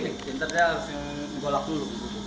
intinya harusnya gue lakuin dulu